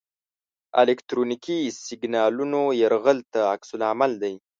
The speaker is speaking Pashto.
الکترونیکي سیګنالونو یرغل ته عکس العمل دی.